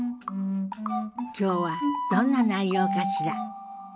今日はどんな内容かしら。